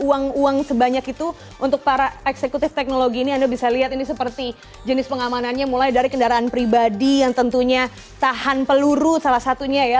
uang uang sebanyak itu untuk para eksekutif teknologi ini anda bisa lihat ini seperti jenis pengamanannya mulai dari kendaraan pribadi yang tentunya tahan peluru salah satunya ya